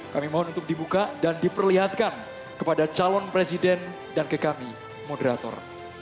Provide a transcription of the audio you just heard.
kami mohon untuk dibuka dan diperlihatkan kepada calon presiden dan ke kami moderator